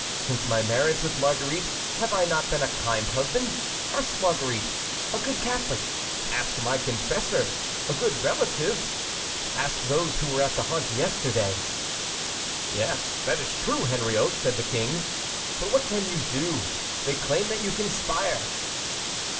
Since my marriage with Marguerite have I not been a kind husband? ask Marguerite. A good Catholic? ask my confessor. A good relative? ask those who were at the hunt yesterday." "Yes, that is true, Henriot," said the King; "but what can you do? They claim that you conspire."